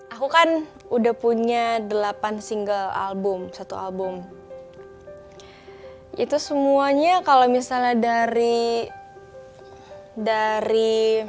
aku kan udah punya delapan single album satu album itu semuanya kalau misalnya dari dari